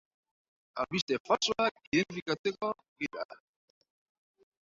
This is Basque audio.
Albiste faltsuak identifikatzeko gida.